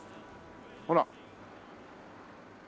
ほら。